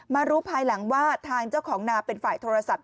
รู้ภายหลังว่าทางเจ้าของนาเป็นฝ่ายโทรศัพท์